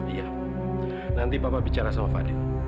iya nanti papa bicara sama fadhil